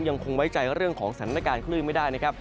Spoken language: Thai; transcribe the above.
ยังคงไว้ใจเรื่องของสถานการณ์คลื่นไม่ได้นะครับ